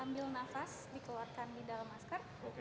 ambil nafas dikeluarkan di dalam masker